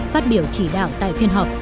phát biểu chỉ đạo tại phiên họp